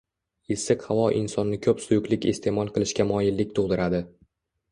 Issiq havo insonni ko‘p suyuqlik iste’mol qilishga moyillik tug‘diradi